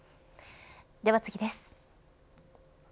では次です。